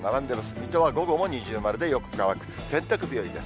水戸は午後も二重丸でよく乾く、洗濯日和です。